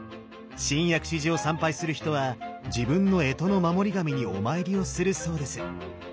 新薬師寺を参拝する人は自分の干支の守り神にお参りをするそうです。